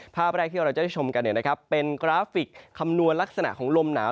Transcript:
ภาพแรกที่เราจะได้ชมกันเป็นกราฟิกคำนวณลักษณะของลมหนาว